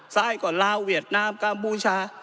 ซ้ายก็ลาวเวียดนามกัมพูชา